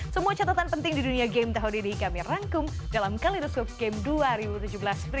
semua catatan penting di dunia game tahun ini kami rangkum dalam kalidoskop game dua ribu tujuh belas berikutnya